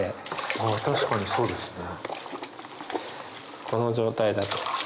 確かにそうですね。